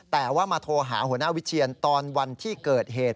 แต่ว่ามาโทรหาหัวหน้าวิเชียนตอนวันที่เกิดเหตุ